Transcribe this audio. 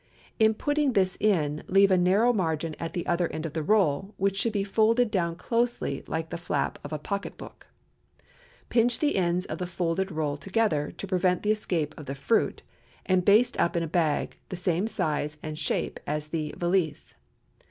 In putting this in, leave a narrow margin at the other end of the roll, which should be folded down closely like the flap of a pocket book. Pinch the ends of the folded roll together, to prevent the escape of the fruit, and baste up in a bag, the same size and shape as the "valise."